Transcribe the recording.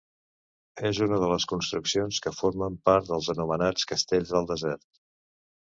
És una de les construccions que formen part dels anomenats castells del desert.